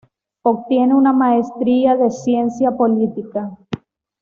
Obtiene una Maestría de Ciencia política.